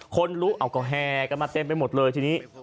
คนรู้แม่งก็มาเต็มไปหมดเลยทีนี้